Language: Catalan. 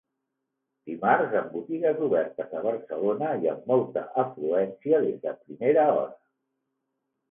Dimarts amb botigues obertes a Barcelona i amb molta afluència des de primera hora.